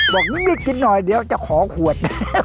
บอกนิดกินหน่อยเดี๋ยวจะขอขวด